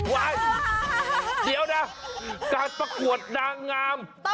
วัดเดี๋ยวนะการประกวดด่างาม